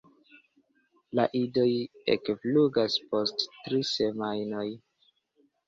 La idoj ekflugas post tri semajnoj.